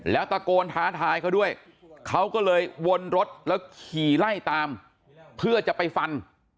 แล้วตะโกนท้าทายเขาด้วยเขาก็เลยวนรถแล้วขี่ไล่ตามเพื่อจะไปฟัน